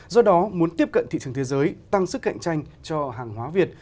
do đó muốn tiếp cận thị trường thế giới tăng sức cạnh tranh cho hàng hóa việt